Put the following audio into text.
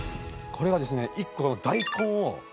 これはですね